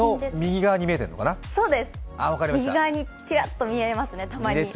そうです、右側にちらっと見えますね。